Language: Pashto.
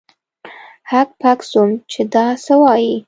هک پک سوم چې دا څه وايي.